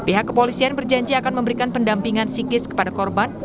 pihak kepolisian berjanji akan memberikan pendampingan psikis kepada korban